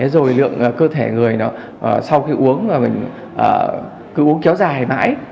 rồi lượng cơ thể người sau khi uống mà mình cứ uống kéo dài mãi